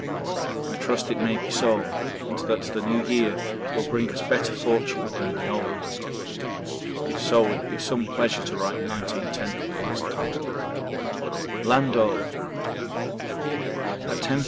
I trust it may be so and that the New Year will bring us better fortune than the old. If so, it will be some pleasure to write 1910 for the last time. Land oh! At 10 P.